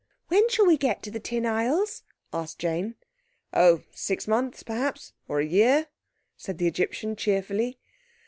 "When shall we get to the Tin Isles?" asked Jane. "Oh—six months, perhaps, or a year," said the Egyptian cheerfully.